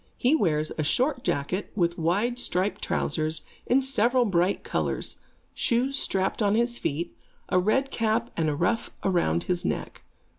He wears a short jacket, with wide striped trousers, in several bright colors, shoes strapped on his feet, a red cap and a ruff around his neck.